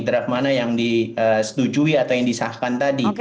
draft mana yang disetujui atau yang disahkan tadi